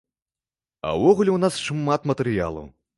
А ўвогуле ў нас шмат матэрыялу.